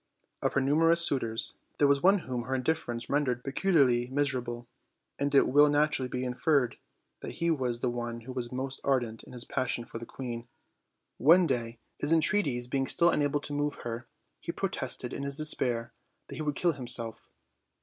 Of her numerous suitors, there was one whom her indiffer ence rendered particularly miserable; and it will naturally be inferred that he was the one who was most ardent in his passion for the queen. One day, his entreaties being still unable to move her, he protested, in his despair, that he would kill himself.